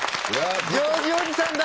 ジョージおじさんだ！